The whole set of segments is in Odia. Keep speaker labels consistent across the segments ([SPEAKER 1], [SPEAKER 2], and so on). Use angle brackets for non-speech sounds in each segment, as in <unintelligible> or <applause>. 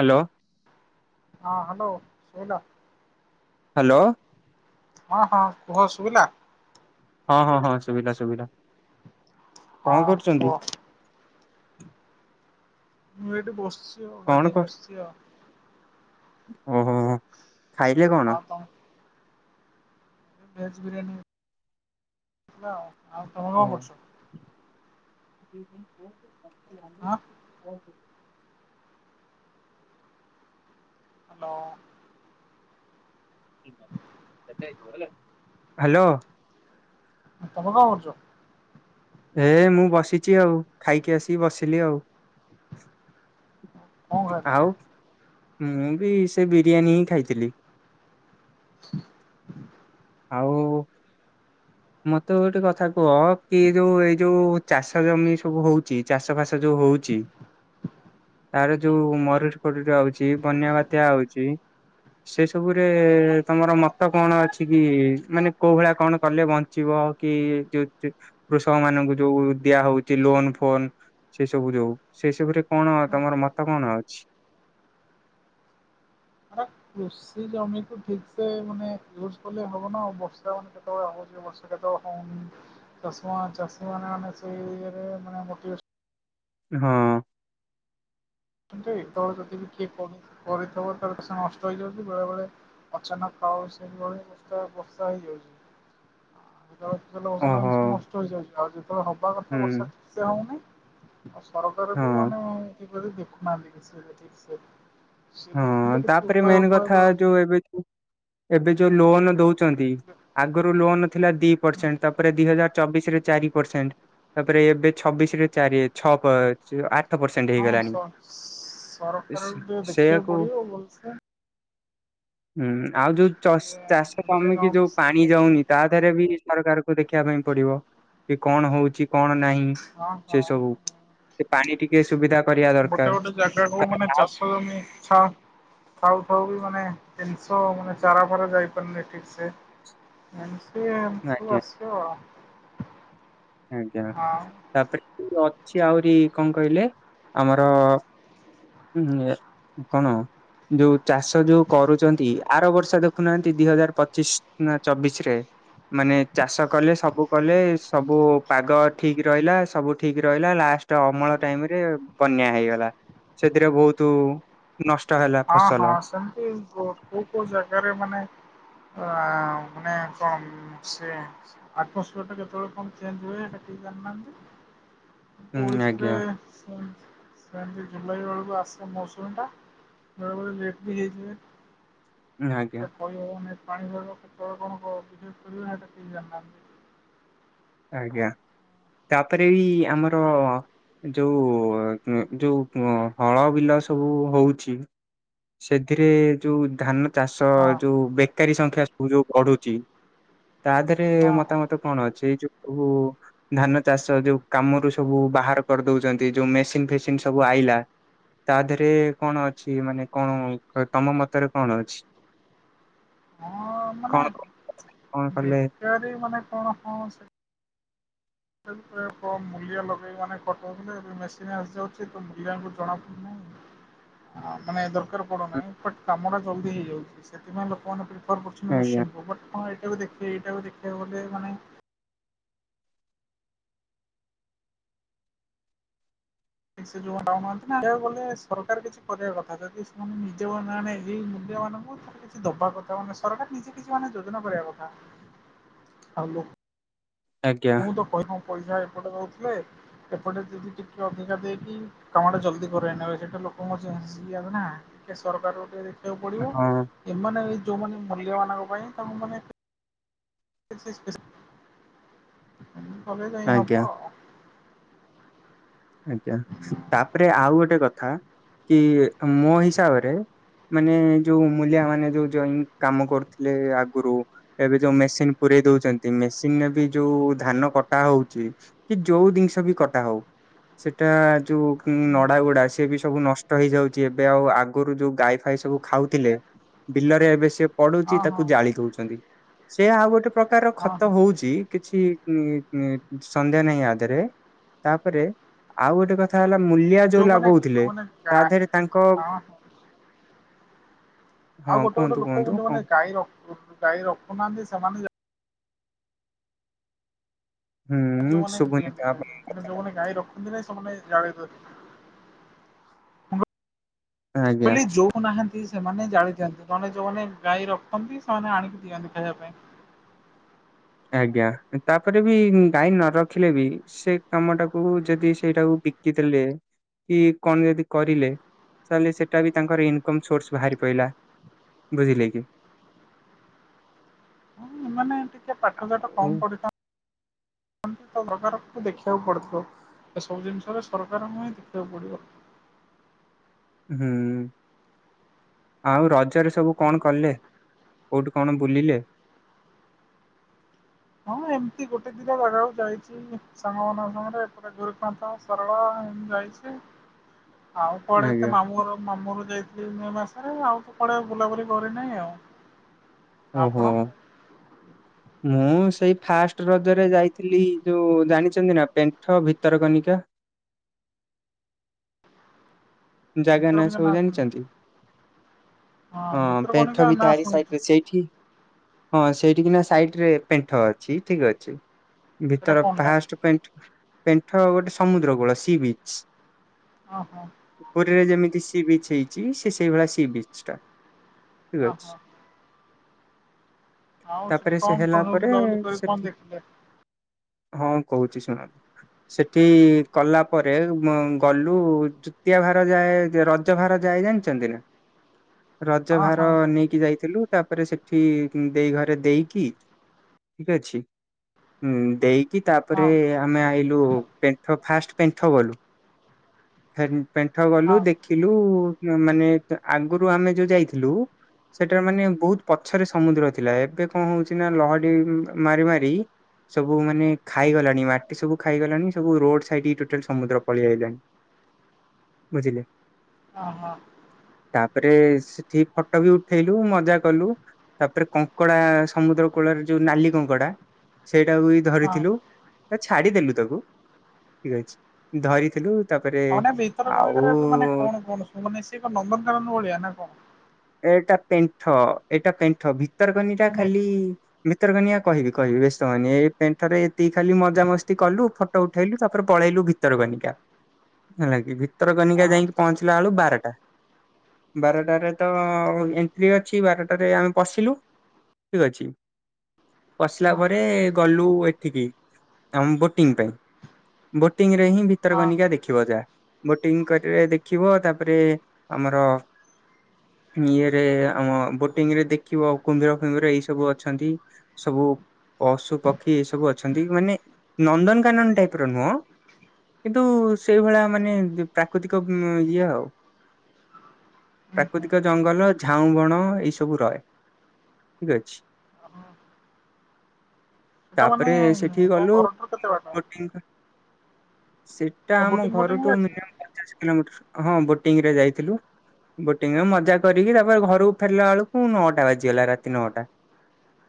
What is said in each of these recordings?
[SPEAKER 1] ହାଲୋ।
[SPEAKER 2] ହଁ ହାଲୋ କଉ
[SPEAKER 1] ହାଲୋ।
[SPEAKER 2] ହଁ ହଁ କୁହ ଶୁଭିଲା।
[SPEAKER 1] ହଁ ହଁ ହଁ ଶୁଭିଲା ଶୁଭିଲା। କଣ
[SPEAKER 2] ହଁ
[SPEAKER 1] କରୁଛନ୍ତି?
[SPEAKER 2] କୁହ ମୁଁ ଏଠି ବସିଚି ଚି ଆଉ
[SPEAKER 1] କଣ କର
[SPEAKER 2] ଗାଧେଇକି ଆସିଚି ଆଉ।
[SPEAKER 1] ଓହୋ ହୋ ଖାଇଲେ କଣ?
[SPEAKER 2] ଆଉ ତମ ଭେଜ ବିରିୟାନୀ ଥିଲା ଆଉ ତମେ କଣ କରୁଚ? ହଁ
[SPEAKER 1] <inaudible>
[SPEAKER 2] ହାଲୋ।
[SPEAKER 1] <unintelligible> ହାଲୋ।
[SPEAKER 2] ତମେ କଣ କରୁଚ?
[SPEAKER 1] ହେ ମୁଁ ବସିଚି ଆଉ ଖାଇକି ଆସି ବସିଲି ଆଉ।
[SPEAKER 2] <inaudible>
[SPEAKER 1] ଆଉ ମୁଁ ବି ସେ ବିରିୟାନୀ ହିଁ ଖାଇଥିଲି।
[SPEAKER 2] <inaudible>
[SPEAKER 1] ଆଉ ମତେ ଗୋଟେ କଥା କୁହ କି ଏ ଯୋଉ ଏଇ ଯୋଉ ଚାଷ ଜମି ସବୁ ହଉ ଚି ଚାଷ ଫାଶ ଯୋଉ ହଉଚି। ତାର ଯୋଉ ମରୁଡି ଫରୁଡି ହଉଚି ବନ୍ୟା ବାତ୍ୟା ଆଉଚି। ସେ ସବୁରେ ତମର ମତ କଣ ଅଛି କି ମାନେ କୋଉ ଭଳିଆ କଣ କଲେ ବ ଯିବ କି ଯୋ ଯୋ କୃଷକ ମାନଙ୍କୁ ଯୋଉ ଦିଆ ହଉଚି ଲୋନ ଫୋନ। ସେ ସବୁ ଯଉ ସେ ସବୁରେ କଣ ତମର ମତ କଣ ଅଛି?
[SPEAKER 2] ଆରେ କୃଷି ଜମିକୁୁ ଠିକ ସେ ମାନେ ୟୁଜ କଲେ ହବ ନା ଆଉ ବର୍ଷା ମାନେ କେତେବେଳେ ହଉଚି ବର୍ଷା କେତେବେଳେ ହଉନି। ଚାଷୀ ମା ଚାଷୀ ମାନେ ମାନେ ସେଇ ଏରିଆରେ ମାନେ ମୋଟିଭେସ୍
[SPEAKER 1] ହଁ।
[SPEAKER 2] ହଁ ଯେ ଏତବେଳେ ଯଦି ବି କିଏ କରି କରିଥିବ ତାର କିଛି ନଷ୍ଟ ହେଇଯିବ ଯଦି ବେଳେ ବେଳେ ଅଚାନକ <unintelligible> ବର୍ଷା ବର୍ଷା ହେଇଯାଉଚି। ଯେତେବେଳେ ତେଲ ମସଲା
[SPEAKER 1] ଓହୋ
[SPEAKER 2] ଏନ୍ତିି ସବୁ ନଷ୍ଟ ହେଇଯାଉଚି ଆଉ ଯେତେବେଳେ ହବା କଥା
[SPEAKER 1] ହୁଁ
[SPEAKER 2] ବର୍ଷା ଠିକ ସେ ହଉନି। ଆଉ ସରକାର ବି
[SPEAKER 1] ହଁ
[SPEAKER 2] ମାନେ କିପରି ଦେଖୁନାହାନ୍ତି କି ସେ ଠିକ୍ ସେ। ସିଏ
[SPEAKER 1] ହଁ
[SPEAKER 2] ଦେଖିଲେ କିଛି
[SPEAKER 1] ତାପରେ
[SPEAKER 2] ଉପାୟ
[SPEAKER 1] ମେନ୍
[SPEAKER 2] ଉପାୟ
[SPEAKER 1] କଥା ଯୋଉ ଏବେ ଯୋଉ ଏବେ ଯୋଉ ଲୋନ୍ ଦଉ ଚନ୍ତି ଆଗରୁ ଲୋନ ଥିଲା ଦି ପର୍ସେଣ୍ଟ ତାପରେ ଦି ହଜାର ଚବିଶିରେ ଚାରି ପର୍ସେଣ୍ଟ ତାପରେ ଏବେ ଛବିଶରେ ଚାରି ଛ ପ ଆ
[SPEAKER 2] ହଁ ସ ସରକାରଙ୍କୁ ଦେଖିବାକୁ
[SPEAKER 1] ସେଇଆକୁ
[SPEAKER 2] ପଡ଼ିବ ଭଲସେ।
[SPEAKER 1] ହୁଁ ଆଉ ଯୋଉ ଚସ୍ ଚାଷ
[SPEAKER 2] ନିଜେ ନ
[SPEAKER 1] ଜମିକିି ଯୋଉ
[SPEAKER 2] ମିଶି
[SPEAKER 1] ପାଣି
[SPEAKER 2] ଦେଖି
[SPEAKER 1] ଯାଉନି ତା ରେ ବି ସରକାରକୁ ଦେଖିବା ପାଇଁ ପଡିବ କି କଣ ହଉଚି କଣ ନାହିଁ।
[SPEAKER 2] ହଁ
[SPEAKER 1] ହୁଁ
[SPEAKER 2] ହଁ
[SPEAKER 1] ସେ ସବୁ ସେ ପାଣି ଟିକେ ସୁବିଧା କରିବା ଦରକାର ତାପରେ ଆଉ
[SPEAKER 2] ଓ ମିଛ। ଥାଉ ଥାଉ ବି ମାନେ ଜିନିଷ ମାନେ ଚାରା ଫାରା ଯାଇପାରୁନି ଠିକ ସେ। ଏମ୍ ସି ଏମତି ସବୁ
[SPEAKER 1] ଆଜ୍ଞା
[SPEAKER 2] ଆସିବ।
[SPEAKER 1] ଆଜ୍ଞା
[SPEAKER 2] ଆଉ।
[SPEAKER 1] ତାପରେ <unintelligible> ଅଛି ଆହୁରି କଣ କହିଲେ ଆମର ଉଁ ଏ କଣ? ଯୋଉ ଚାଷ ଯୋଉ କରୁଚନ୍ତି ଆର ବର୍ଷ ଦେଖୁନାହାନ୍ତି ଦି ହଜାର ପଚିଶ ନା ଚବିଶରେ ମାନେ ଚାଷ କଲେ ସବୁ କଲେ ସବୁ ପାଗ ଠିକ ରହିଲା ସବୁ ଠିକ ରହିଲା ଲାଷ୍ଟ ଅମଳ ଟାଇମ ରେ ବନ୍ୟା ହେଇଗଲା। ସେଥିରେ ବହୁତ ନଷ୍ଟ ହେଲା
[SPEAKER 2] ହଁ
[SPEAKER 1] ଫସଲ
[SPEAKER 2] ହଁ ସନ୍ତୁଷ କୋଉ କୋଉ ଜଗାରେ ମାନେ ଆ ମାନେ କ ସେ ଆଟମସ୍ପିୟର ଟା କେତେବେଳେ କଣ ଚେଞ୍ଜ ହୁଏ ସେଠିକି ଜାଣିନାହାନ୍ତି।
[SPEAKER 1] <inaudible>
[SPEAKER 2] ଓଡ଼ିଶାରେ
[SPEAKER 1] ଆଜ୍ଞା
[SPEAKER 2] ସେ ସେତି ଜୁଲାଇ ବେଳକୁ ଆସେ ମୌସୁମୀ ଟା। ବଳେବେଳେ ଲେଟ୍ ବି ହେଇଯିବେ।
[SPEAKER 1] ମ ଆଜ୍ଞା।
[SPEAKER 2] କହିବ ପାଣିର କେତେବେଳେ କଣ ବିଜନେସ୍ କରିବ ସେଟା କେହି ଜାଣିନାହାନ୍ତି।
[SPEAKER 1] ଆଜ୍ଞା ତାପରେ ବି ଆମର ଯୋଉ ଯୋଉ ହଳ ବିଲ ସବୁ ହଉଛି। ସେଥିରେ ଯୋଉ ଧାନ ଚାଷ
[SPEAKER 2] ହଁ
[SPEAKER 1] ଯୋଉ ବେକାରୀ ସଂଖ୍ୟା ସବ ଯୋଉ ବଢୁଛି ତା ଦେହରେ
[SPEAKER 2] ହଁ
[SPEAKER 1] ମତାମତ। କଣ ଅଛି ଏଇ ଯୋଉ ଧାନ ଚାଷ ଯୋଉ କାମରୁ ସବୁ ବାହାର କରିଦଉଚନ୍ତି, ଯୋଉ ମେସିନ ଫେସିନ ସବୁ ଆଇଲା ତାଧେରେ କଣ ଅଛି ମାନେ କଣ ତମ ମତରେ କଣ ଅଛି?
[SPEAKER 2] ହଁ ମାନେ,
[SPEAKER 1] କଣ କଣ କଲେ
[SPEAKER 2] ବେକାରୀ ମାନେ କଣ ହଁ ସେ ତଥାପି କହିଆକୁ କମ୍ ମୂଲିଆ ଲଗେଇକି ମାନେ କରିଦଉଥିଲେ। ଏବେ ମେସିନ୍ ଆସିଯାଉଛି ତ ମୂଲିଆଙ୍କୁ ଜଣାପଡ଼ୁନାହିଁ ହଁ ମାନେ ଦରକାର ପଡୁନାହିଁ। ବଟ୍ କାମଟା ଜଲଦି ହେଇଯାଉଛି, ସେଥିପାଇଁ ଲୋକମାନେ ପ୍ରି ଫର୍ କରୁଛନ୍ତି
[SPEAKER 1] ଆଜ୍ଞା
[SPEAKER 2] ମେସିନକୁ। ବଟ୍ ଆପଣ ଏଇଟାକୁ ଦେଖେଇ ଏଇଟାକୁ ଦେଖିଆକୁ ଗଲେ ମାନେ ସେ ଯୋଉମାନେ ପାଉନାହାଁନ୍ତି ନା, କହିଆକୁ ଗଲେ ସରକାର କିଛି କରିଆ କଥା। ଯଦି ସେମାନେ ନିଜେ ବୋ ନେ ଏଇ ମୂଲିଆମାନଙ୍କୁ କିଛି ଦବା କଥା ମାନେ ସରକାର ନିଜେ କିଛି ମାନେ ଯୋଜନା କରିବା କଥା। ଆଉ ଲୋକ
[SPEAKER 1] ଆଜ୍ଞା।
[SPEAKER 2] ତ କହିଅମ୍ ପଇସା ଏପଟେ ଦଉଥିଲେ, ଏପଟେ ଯଦି ଟିକେ ଅଧିକା ଦେଇକି କାମଟା ଜଲ୍ଦି କରେଇ ନେବେ ସେଇଟା, ଲୋକଙ୍କ <unintelligible> ଆଗ ନା। ଟିକେ ସରକାର ଗୋଟେ ବାକୁ ପଡିବ,
[SPEAKER 1] ହଁ
[SPEAKER 2] ଏମାନେ ଏ ଯୋଉମାନେ ମୂଲିଆମାନଙ୍କ ପାଇଁ ତାଙ୍କୁ ମାନେ <unintelligible> କଲେ ଯାଇଁ
[SPEAKER 1] ଆଜ୍ଞା
[SPEAKER 2] ହବ ଆଉ।
[SPEAKER 1] ଆଜ୍ଞା। ତାପରେ ଆଉ ଗୋଟେ କଥା, କି ମୋ ହିସାବରେ ମାନେ ଯୋଉ ମୂଲିଆମାନେ ଯୋଉ ଜଇଂ କାମ କରୁଥିଲେ ଆଗୁରୁ ଏବେ ଯୋଉ ମେସିନ ପୂରେଇ ଦଉଚନ୍ତି, ମେସିନରେ ବି ଯୋଉ ଧାନ କଟା ହଉଛି କି ଯୋଉ ଦିନିଷ ବି କଟା ହଉ ସେଟା ଯୋଉ କୁଁ ନଡା ଗୁଡା, ସିଏ ବି ସବୁ ନଷ୍ଟ ହେଇଯାଉଛି। ଏବେ ଆଉ ଆରୁରୁ ଯୋଉ ଗାଈ ଫାଇ ସବୁ ଖାଉ ଥିଲେ, ବିଲରେ ଏବେ ସିଏ ପଡୁଛି,
[SPEAKER 2] ହଁ ହଁ
[SPEAKER 1] ତାକୁ ଜାଳି ଦଉଛନ୍ତି। ସେ ଆଉ ଗୋଟେ ପ୍ରକାରର
[SPEAKER 2] ହଁ
[SPEAKER 1] ଖତ
[SPEAKER 2] ହଁ
[SPEAKER 1] ହଉଚି, କିଛି ଉମ୍ ଉମ୍ ସନ୍ଦେହ ନାହିଁ ଆଧେରେ, ତାପରେ ଆଉ ଗୋଟେ କଥା ହେଲା, ମୂଲିଆ ଯୋଉ
[SPEAKER 2] ଯୋଉମାନେ
[SPEAKER 1] ଲଗଉଥିଲେ,
[SPEAKER 2] ଯୋଉମାନେ ଗା
[SPEAKER 1] ତାଧେରେ ତାଙ୍କ
[SPEAKER 2] ହଁ ହଁ। ଆଉ
[SPEAKER 1] ହଁ
[SPEAKER 2] ଗୋଟେ ଗୋଟେ
[SPEAKER 1] କୁହନ୍ତୁ
[SPEAKER 2] ଲୋକ
[SPEAKER 1] କୁହନ୍ତୁ
[SPEAKER 2] ମଧ୍ଯ ମାନେ ଗାଈ ରଖୁ ଗାଈ ରଖୁନାହାଁନ୍ତି, ସେମାନେ ଯାଇ
[SPEAKER 1] ହୁଁ
[SPEAKER 2] ଯୋଉମାନେ
[SPEAKER 1] ଶୁଭୁନି ତ
[SPEAKER 2] ଦିଅନ୍ତି ସବୁ ଗୁରା
[SPEAKER 1] ଆପଣଙ୍କ
[SPEAKER 2] କିନ୍ତୁ
[SPEAKER 1] କଥାଟା
[SPEAKER 2] ଯୋଉମାନେ ଗାଈ ରଖନ୍ତି ନାହିଁ ସେମାନେ ଜଳେଇ ଦଉଛନ୍ତି।
[SPEAKER 1] ଆଜ୍ଞା
[SPEAKER 2] ବୋଲି ଯୋଉ ରଖୁ ନାହାଁନ୍ତି, ସେମାନେ ଜାଳି ଦିଅନ୍ତି। ନହେନେ ଯୋଉମାନେ ଗାଈ ରଖନ୍ତି, ସେମାନେ ଆଣିକି ଦିଅନ୍ତି ଖାଇବା ପାଇଁ।
[SPEAKER 1] ଆଜ୍ଞା। କିନ୍ତୁ ତାପରେ ବି ଗାଈ ନ ରଖିଲେ ବି ସେ କାମଟାକୁ ଯଦି ସେଇଟାକୁ ବି କି ଦେଲେ କି କଣ ଯଦି କରିଲେ, ତାହେଲେ ସେଟା ବି ତାଙ୍କର ଇନକମ ସୋର୍ସ ବାହାରି ପଇଲା। ବୁଝିଲେ କି?
[SPEAKER 2] ହଁ, ଏମାନେ ଟିକେ ପାଠସାଠ
[SPEAKER 1] ଆଉ
[SPEAKER 2] କମ ପଢ଼ିଥାନ୍ତି
[SPEAKER 1] <inaudible>
[SPEAKER 2] ଅନେକ ପ୍ରକାରକୁ ଦେଖିବାକୁ ପଡିଥିବ। ଏସବୁ ଜିନିଷରେ ସରକାରଙ୍କୁ ହିଁ ଦେଖିବାକୁ ପଡିବ।
[SPEAKER 1] ହୁଁ। ଆଉ ରଜରେ ସବୁ କଣ କଲେ, କୋଉଠୁ କଣ ବୁଲିଲେ?
[SPEAKER 2] ହଁ ଏମତି ଗୋଟେ ଦିଟା ଜାଗାକୁ ଯାଇଥିଲି, ସାଙ୍ଗମାନଙ୍କ ସାଙ୍ଗରେ ଏପଟେ ଗୋରେଖନାଥ ଶାରଳା ଏମତି ଯାଇଛି।
[SPEAKER 1] <unintelligible>
[SPEAKER 2] ଆଉ କୁଆଡେ ଏତେ
[SPEAKER 1] ଆଜ୍ଞା
[SPEAKER 2] ମାମୁଁଘର ମାମୁଁଘରକୁ ଯାଇ ଏଇ ମେ ମାସରେ ଆଉ ତ କୁଆଡେ ବୁଲାବୁଲି କରିନେଇଁ ଆଉ।
[SPEAKER 1] ଓହୋ।
[SPEAKER 2] ଆପଣ?
[SPEAKER 1] ମୁଁ ସେଇ ଫାଷ୍ଟ ରଜରେ ଯାଇଥିଲି ଯୋଉ ଜାଣିଚନ୍ତି ନା, ପେଣ୍ଠ, ଭିତରକନିକା ଜାଗା ନାଁ
[SPEAKER 2] ଭିତରକନିକା
[SPEAKER 1] ସବୁ
[SPEAKER 2] ଶୁଣିଚି
[SPEAKER 1] ଜାଣିଚନ୍ତି? ହଁ ପେଣ୍ଠ
[SPEAKER 2] ଭିତରକନିକା
[SPEAKER 1] ବି
[SPEAKER 2] ନାଁ
[SPEAKER 1] ତାରି
[SPEAKER 2] ଶୁଣିଚି।
[SPEAKER 1] ସାଇଡରେ ସେଇଠି। ହଁ ସେଇଠିକିନା ସାଇଡରେ ପେଣ୍ଠ ଅଛି, ଠିକ ଅଛି।
[SPEAKER 2] ସେଇଟା
[SPEAKER 1] ଭିତର
[SPEAKER 2] କଣ ଟା
[SPEAKER 1] ଫାଷ୍ଟ ପେଣ୍ଠ ପେଣ୍ଠ ଗୋଟେ ସମୁଦ୍ରକୂଳ, ସି ବିଚ୍।
[SPEAKER 2] ଓହୋ।
[SPEAKER 1] ପୁରୀରେ ଯେମିତି ସି ବିଚ୍ ହେଇଛି, ସିଏ ସେଇଭଳିଆ ସି ବିଚ୍ ଟା। ଠିକ ଅଛି।
[SPEAKER 2] ଓହୋ। ଆଉ ସେଠି
[SPEAKER 1] ତାପରେ ସେ
[SPEAKER 2] କଣ
[SPEAKER 1] ହେଲା
[SPEAKER 2] କଣ ସବୁ
[SPEAKER 1] ପରେ,
[SPEAKER 2] ବୁଲାବୁଲି କରି କଣ
[SPEAKER 1] ସେଠି
[SPEAKER 2] ଦେଖିଲେ?
[SPEAKER 1] ହଁ କହୁଛି ଶୁଣ, ସେଠି କଲା ପରେ ମୁଁ ଗଲୁ ଯୁତିଆ ଭାର ଯାଏ ରଜ ଭାର ଯାଏ ଜାଣିଛନ୍ତି ନା ରଜ
[SPEAKER 2] ହଁ ହଁ
[SPEAKER 1] ଭାର ନେଇ କି ଯାଇଥିଲୁ ତାପରେ ସେଠି ଦେଇ ଘରେ ଦେଇକି ଠିକ ଅଛି ହୁଁ ଦେଇ କି
[SPEAKER 2] ହଁ
[SPEAKER 1] ତାପରେ ଆମେ ଆଇଲୁ ପ ଫାଷ୍ଟ ପେଣ୍ଠ ଗଲୁ ପେଣ୍ଠ
[SPEAKER 2] ହଁ ହଁ
[SPEAKER 1] ଗଲୁ ଦେଖିଲୁ ମାନେ ଆଗରୁ ଆମେ ଯୋଉ ଯାଇଥିଲୁ ସେଟାରେ ମାନେ ବହୁତ ପଛରେ ସମୁଦ୍ର ଥିଲା ଏବେ କଣ ହଉଛି ନା ଲହଡି ମାରି ମାରି ସବୁ ମାନେ ଖାଇଗଲାଣି ମାଟି ସବୁ ଖାଇଗଲାଣି ସବୁ ରୋଡ ସାଇଡ ଟୋଟାଲ ସମୁଦ୍ର ପାଲେଆଇଲାଣି ବୁଝିଲେ
[SPEAKER 2] ଅ ହ।
[SPEAKER 1] ତାପରେ ସେଠି ଫଟୋ ବି ଉଠେଇଲୁ ମଜା କଲୁ। ତାପରେ କଙ୍କଡା ସମୁଦ୍ର କୂଳରେ ଯୋଉ ନାଲି କଙ୍କଡା ସେଇଟାକୁ ବି ଧରିଥିଲୁ।
[SPEAKER 2] ଆଉ
[SPEAKER 1] ତା ଛାଡିଦେଲୁ ତାକୁ ଠିକ ଅଛି ଧରିଥିଲୁ ତାପରେ
[SPEAKER 2] ଣ ମାନେ
[SPEAKER 1] ଆଉ
[SPEAKER 2] କଣ କଣ ମାନେ ସିଏ ଏକ ନନ୍ଦନକାନନ ଭଳିଆ ନା କଣ?
[SPEAKER 1] ଏଇଟା ପେଣ୍ଠ ଏଇଟା ପେଣ୍ଠ ଭିତରକନିକା
[SPEAKER 2] ମାନେ
[SPEAKER 1] ଖାଲି ଭିତରକନିଆ କହିବି କହିବି ବ୍ୟସ୍ତ ହନି ଏ ପେଣ୍ଠରେ ଏତିକି ଖାଲି ମଜାମସ୍ତି କଲୁ ଫ ଫଟୋ ଉଠେଇଲୁ ତାପରେ ପଳେଇଲୁ ଭିତର କନିକା ହେଲା କିି ଭିତର
[SPEAKER 2] ହଁ
[SPEAKER 1] କନିକା ଯାଇ ପହଞ୍ଚିଲା ବେଳୁ ବାରଟା, ବାରଟାରେ ତ
[SPEAKER 2] ହଁ
[SPEAKER 1] ଏଣ୍ଟ୍ରି ଅଛି, ବାରଟାରେ ଆମେ ପଶିଲୁ, ଠିକ୍ ଅଛି। ପଶିଲା
[SPEAKER 2] ହଁ
[SPEAKER 1] ପରେ ଗଲୁ ଏଠିକି ଆମ ବୋଟିଂ ପାଇଁ। ବୋଟିଂ ରେ ହିଁ
[SPEAKER 2] ହଁ
[SPEAKER 1] ଭିତରକନିକା ଦେଖିବ ଯା। ବୋଟିଂ କରିବେ ଦେଖିବ ତାପରେ ଆମର ଇଏରେ ଆମ ବୋଟିଂ ରେ ଦେଖିବ କୁମ୍ଭୀର ଫୁମ୍ଭୀର ଏଇ ସବୁ ଅଛନ୍ତି ସବୁ ପଶୁ ପକ୍ଷୀ ଏ ସବୁ ଅଛନ୍ତି ମାନେ ନନ୍ଦନକାନନ ଟାଇପ ର ନୁହଁ କିନ୍ତୁ ସେଇଭଳିଆ ମାନେ ପ୍ରାକୃତିକ ଇଏ ଆଉ
[SPEAKER 2] ହୁଁ
[SPEAKER 1] ପ୍ରାକୁତି
[SPEAKER 2] ହୁଁ।
[SPEAKER 1] ଜଙ୍ଗଲ ଝାଉଁ ବଣ ଏଇ ସବୁ ରହେ ଠିକ୍ ଅଛି।
[SPEAKER 2] ହ ହଁ। ସେଟା ମାନେ
[SPEAKER 1] ତାପରେ ସେଠିକି
[SPEAKER 2] ତମ
[SPEAKER 1] ଗଲୁ
[SPEAKER 2] ଘରଠାରୁ କେତେ ବାଟ?
[SPEAKER 1] ବୋଟିଂ ଟା
[SPEAKER 2] ସବୁ
[SPEAKER 1] ଆମ
[SPEAKER 2] ବୋଟିଂ ଫୋଟିଂ
[SPEAKER 1] ଘରୁି
[SPEAKER 2] ବି ଅଛି?
[SPEAKER 1] ପଚାଶ କିଲୋମିଟର ହଁ ବୋଟିଂରେ ଯାଇଥିଲୁ। ବୋଟିଂରେ ମଜା କରିକି ତାପରେ ଘରକୁ ଫେରିଲା ବେଳକୁ ନଅଟା ବାଜିଗଲା ରାତି ନଅଟା।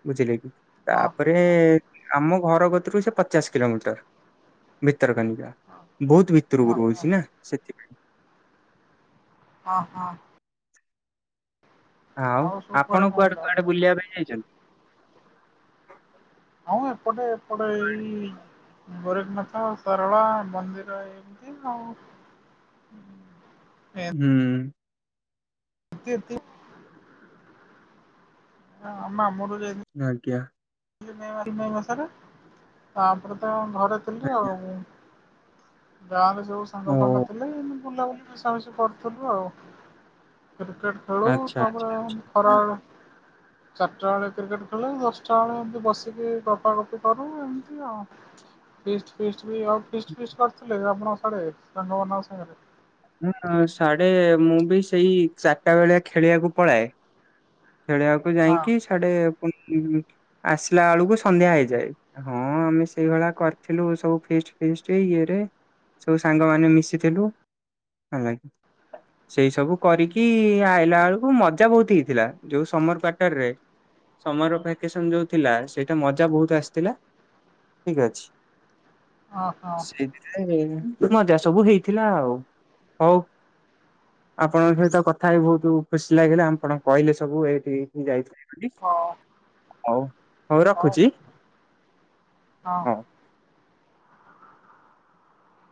[SPEAKER 1] ବୁଝିଲେ କି?
[SPEAKER 2] ହଁ
[SPEAKER 1] ତାପରେ
[SPEAKER 2] ହଁ
[SPEAKER 1] ଆମ ଘର କତିରୁ ସେ ପଚାଶ କିଲୋମିଟର ଭିତରକନିକା, ବହୁତ
[SPEAKER 2] ହଁ
[SPEAKER 1] ଭିତରକୁ ରହୁଛି ନା ସେଥିପାଇଁ,
[SPEAKER 2] ହଁ ହଁ।
[SPEAKER 1] ଆଉ
[SPEAKER 2] ସବୁ କୁଆଡ଼େ
[SPEAKER 1] ଆପଣ
[SPEAKER 2] କଣ
[SPEAKER 1] କୁଆଡେ
[SPEAKER 2] ବୁଲାବୁଲି
[SPEAKER 1] କୁଆଡେ
[SPEAKER 2] କଲ?
[SPEAKER 1] ବୁଲିବା ପାଇଁ ଯାଇଛନ୍ତି?
[SPEAKER 2] ହଉ ଏପଟେ ଏପଟେ ଏଇ ଗୋରଖନାଥ ଆଉ ସାରଳା ମନ୍ଦିର ଏମିତି ଆଉ,
[SPEAKER 1] ହୁଁ।
[SPEAKER 2] ତୀ ତି ଆ ମାମୁଁ ଘରକୁ ଯାଇଥିଲି,
[SPEAKER 1] ଆଜ୍ଞା।
[SPEAKER 2] ମା ମେ ମାସରେ ତାପରେ ତ ଘରେ ଥିଲି
[SPEAKER 1] ଆଜ୍ଞା
[SPEAKER 2] ଆଉ, ଗାଁରେ ସବୁ ସାଙ୍ଗ
[SPEAKER 1] ଓ
[SPEAKER 2] ଫାଙ୍ଗ ଥିଲେ, ବୁଲାବୁଲି ମିଶାମିଶି କରିୁଥିଲୁ ଆଉ କ୍ରିକେଟ ଖେଳୁ
[SPEAKER 1] ଆଚ୍ଛା
[SPEAKER 2] ତାପରେ
[SPEAKER 1] ଆଚ୍ଛା ଆଚ୍ଛା।
[SPEAKER 2] ଖରା ବେଳୁ ଚାରିଟା ବେଳେ କ୍ରିକେଟ ଖେଳ ଦଷ୍ଟ ଳେ ଏମିତି ବସିକି ପା ଗପି କରୁ ଏମିତି ଆଉ ଫି ଭିଷ୍ଟ୍ ବି ଆଉ, କିିଷ୍ଟ ଫିସ୍ କରିଥିଲେ ଆପଣ ସେ ରଙ୍ଗରେ ସାଙ୍ଗ ମାନଙ୍କ ସାଙ୍ଗରେ?
[SPEAKER 1] ହଁ ସାଢେ ମୁଁ ବି ସେଇ ଚାରିଟା ବେଳିଆ ଖେଳିବାକୁ ପଳାଏ। ଖେଳିବାକୁ
[SPEAKER 2] ହଁ
[SPEAKER 1] ଯାଇକି ସେଡେ ଆସିଲା ବେଳକୁ ସନ୍ଧ୍ୟା ହେଇଯାଏ, ହଁ ଆମେ ସେଇଭଳିଆ କରିଥିଲୁ ସବୁ ଫିଷ୍ଟ ଫିଷ୍ଟ ଇଏରେ। ସବୁ ସାଙ୍ଗମାନେ ମିଶିଥିଲୁ। ହେଲା କି। ସେଇ ସବୁ କରିକି ଆଇଲା ବେଳକୁ ମଜା ବହୁତ ହେଇଥିଲା ଯୋଉ ସମର କ୍ଵାର୍ଟର ରେ। ସମର ଭ୍ୟାକେସନ ଯୋଉ ଥିଲା ସେଇଟା ମଜା ବହୁତ ଆସିଥିଲା। ଠିକ ଅଛି
[SPEAKER 2] ହଁ ହଁ
[SPEAKER 1] ସେଇଥିରେ ଉଁ ମଜା ସବୁ ହେଇଥିଲା ଆଉ। ହଉ। ଆପଣଙ୍କ ସହିତ କଥା ହେଇ ବହୁତ ଖୁସି ଲାଗିଲା ଆପଣ କହିଲେ ସବୁ ଏଇଠି ଯାଇପାରିବ
[SPEAKER 2] ହଁ।
[SPEAKER 1] ହଉ ହଉ ରଖୁଛି।
[SPEAKER 2] ହଁ।
[SPEAKER 1] ହଉ।